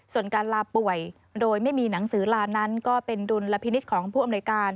ส่วนการลาป่วยโดยไม่มีหนังสือลานั้นก็เป็นดุลพินิษฐ์ของผู้อำนวยการ